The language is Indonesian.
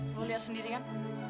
lu lihat sendiri kan